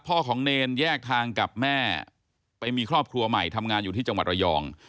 พ่อของเนรแยกทางกับแม่ไปมีครอบครัวใหม่ทำงานอยู่ที่จังหวัดระยอง